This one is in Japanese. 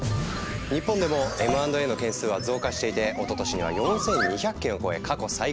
日本でもＭ＆Ａの件数は増加していておととしには４，２００件を超え過去最高を記録。